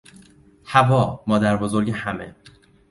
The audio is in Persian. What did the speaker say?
حوا، مادر بزرگ همه